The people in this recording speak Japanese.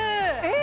え！